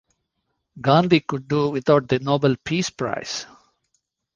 Gandhi could do without the Nobel Peace prize.